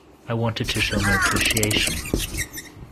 I wanted to show my appreciation.